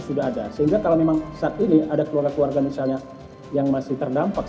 sudah ada sehingga kalau memang saat ini ada keluarga keluarga misalnya yang masih terdampak